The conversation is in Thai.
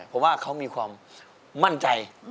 ผมว่าเขามีความมั่นใจ